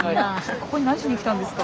ここに何しに来たんですか？